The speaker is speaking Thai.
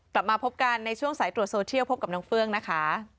กลับมาพบกันในช่วงสายตรวจโซเชียลพบกับน้องเฟื้องนะคะ